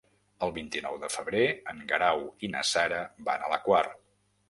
El vint-i-nou de febrer en Guerau i na Sara van a la Quar.